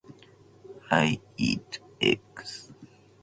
I eat eggs.